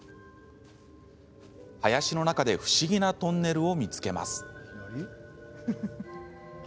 林の中で不思議なトンネルを見つけます。